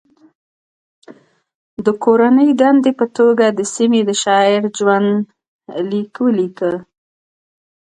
د کورنۍ دندې په توګه د سیمې د شاعر ژوند لیک ولیکئ.